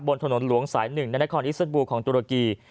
บนถนนหลวงสายหนึ่งในนครอิสต์เซ็นบูลของตุรกี